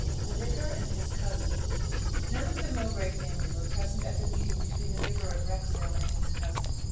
THE VICAR AND HIS COUSIN. None of the Mowbray family were present at the meeting between the Vicar of Wrexhill and his cousin.